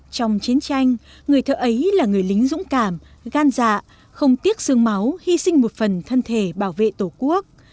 trong chiến tranh người thợ ấy là người lính dũng cảm gan dạ không tiếc sương máu hy sinh một phần thân thể bảo vệ tổ quốc